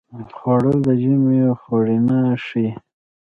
خوړل د ژمي خوړینه ښيي